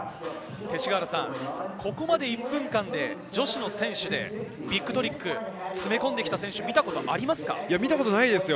ここまで１分間で、女子の選手でビッグトリック詰め込んできた選見たことないですよ。